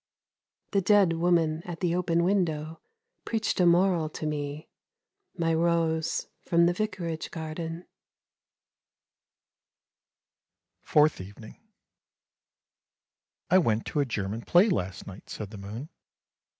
" The dead woman at the open window preached a moral to me: My rose from the vicarage garden." FOURTH EVENING " I went to a German play last night," said the moon.